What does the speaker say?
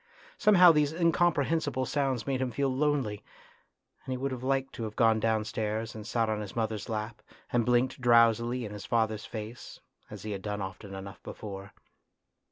Somehow these incomprehensible sounds made him feel lonely 100 A TRAGEDY IN LITTLE and he would have liked to have gone down stairs and sat on his mother's lap and blinked drowsily in his father's face, as he had done often enough before.